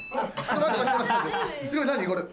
すごい何これ。